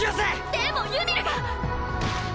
でもユミルが！！